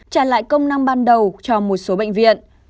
trả lại công năng ban đầu cho một số bệnh viện